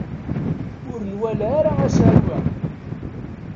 Ur nwala ara asaru-a.